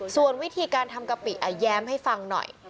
ส่วนวิธีการทำกะปิแย้มให้ฟังหน่อย